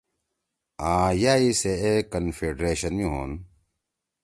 آں یا ئی سے اے کنفیڈریشن (Confederation) می ہون۔